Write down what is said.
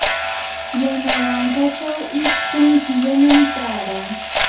yanawankachaw isqun killanam taaraa.